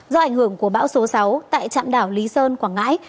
do ảnh hưởng của bão số sáu tại trạm đảo lý sơn quảng ngãi